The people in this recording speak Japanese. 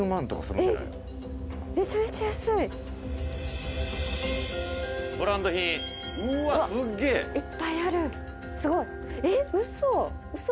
松本：「いっぱいある！すごい！」「嘘！？